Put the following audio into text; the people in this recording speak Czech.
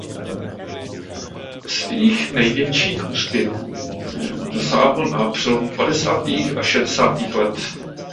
Svých největších úspěchů dosáhl na přelomu padesátých a šedesátých let.